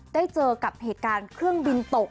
ได้เจอกับเหตุการณ์เครื่องบินตก